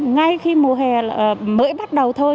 ngay khi mùa hè mới bắt đầu thôi